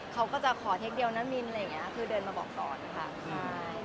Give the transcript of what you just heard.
เขาก็จะขอเทคเดียวนะมินอะไรอย่างนี้คือเดินมาบอกก่อนค่ะใช่